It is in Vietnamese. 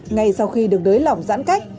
ngay sau khi được nới lỏng giãn cách